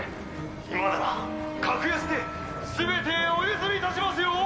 今なら格安で全てお譲りいたしますよ」